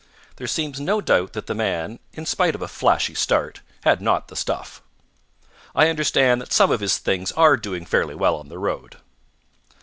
There seems no doubt that the man, in spite of a flashy start, had not the stuff. I understand that some of his things are doing fairly well on the road.